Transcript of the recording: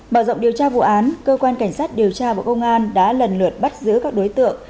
mở rộng điều tra vụ án cơ quan cảnh sát điều tra bộ công an đã lần lượt bắt giữ các đối tượng